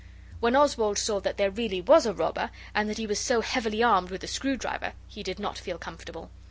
When Oswald saw that there really was a robber, and that he was so heavily armed with the screwdriver, he did not feel comfortable.